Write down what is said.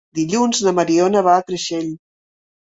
Dilluns na Mariona va a Creixell.